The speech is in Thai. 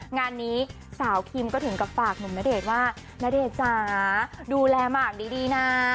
งานนี้สาวคิมก็ถึงกับฝากหนุ่มณเดชน์ว่าณเดชน์จ๋าดูแลหมากดีนะ